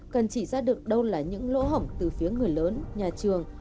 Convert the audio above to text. cần chỉ ra được đâu là những lỗ hỏng từ phía người lớn nhà trường